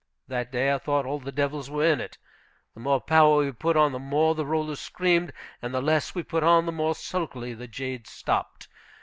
That day, I thought all the devils were in it. The more power we put on the more the rollers screamed; and the less we put on, the more sulkily the jade stopped.